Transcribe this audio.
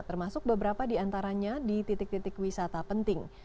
termasuk beberapa di antaranya di titik titik wisata penting